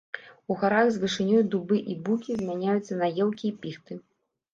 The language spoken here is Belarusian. У гарах з вышынёй дубы і букі змяняюцца на елкі і піхты.